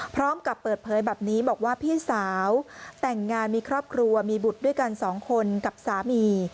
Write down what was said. พร้อมกับเปิดเผยแบบนี้บอกว่าพี่สาวแต่งงานมีครอบครัวมีบุตรด้วยกันสองคนกับสามี